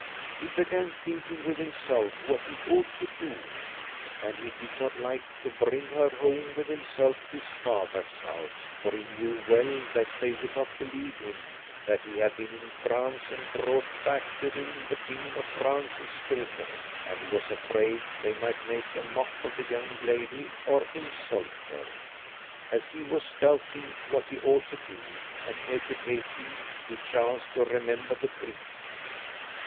He began thinking with himself what he ought to do, and he did not like to bring her home with himself to his father's house, for he knew well that they would not believe him, that he had been in France and brought back with him the king of France's daughter, and he was afraid they might make a mock of the young lady or insult her. As he was doubting what he ought to do, and hesitating, he chanced to remember the priest.